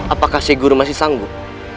apakah si guru masih sanggup